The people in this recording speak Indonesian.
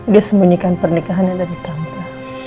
dia sembunyikan pernikahan yang tadi tante